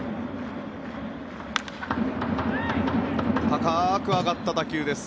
高く上がった打球です。